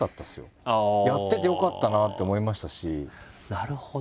なるほど。